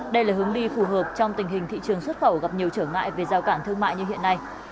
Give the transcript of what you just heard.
đây là hướng đi phù hợp trong tình hình thị trường xuất khẩu gặp nhiều trở ngại về giao cản thương mại như hiện nay